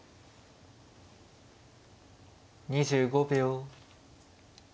２５秒。